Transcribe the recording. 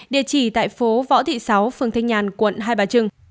địa chỉ tại phố võ thị sáu phường thanh nhàn quận hai bà trưng